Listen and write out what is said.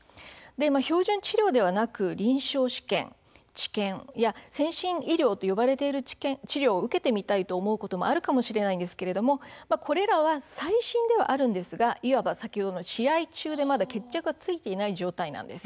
標準治療ではなく、臨床試験治験や、先進医療と呼ばれている治療を受けてみたいと思うこともあるかもしれないんですがこれらは最新ではあるんですがいわば先ほどの試合中でまだ決着がついていない状態なんです。